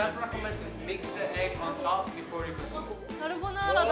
カルボナーラだ。